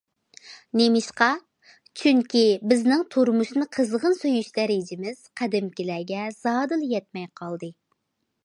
نېمىشقا؟ چۈنكى بىزنىڭ تۇرمۇشنى قىزغىن سۆيۈش دەرىجىمىز قەدىمكىلەرگە زادىلا يەتمەي قالدى.